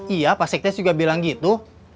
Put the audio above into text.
iya pak sektes juga bilang gitu